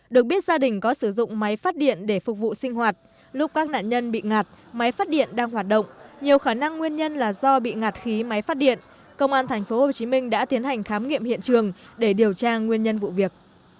được biết gia đình có sử dụng máy phát điện để phục vụ sinh hoạt lúc các nạn nhân bị ngặt máy phát điện đang hoạt động nhiều khả năng nguyên nhân là do bị ngạt khí máy phát điện công an tp hcm đã tiến hành khám nghiệm hiện trường để điều tra nguyên nhân vụ việc